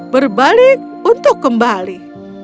berbalik untuk kembali